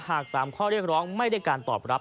๓ข้อเรียกร้องไม่ได้การตอบรับ